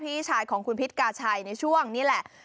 พี่ชายของคุณพิษกาชัยในช่วงนี้แหละ